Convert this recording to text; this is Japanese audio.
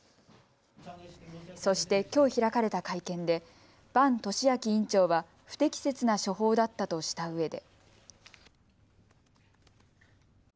そして、きょう開かれた会見で伴俊明院長は不適切な処方だったとしたうえで。